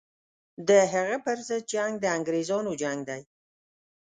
د هغه پر ضد جنګ د انګرېزانو جنګ دی.